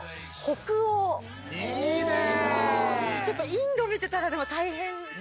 インド見てたらでも大変そう。